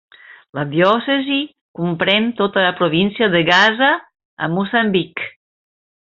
La diòcesi comprèn tota la província de Gaza, a Moçambic.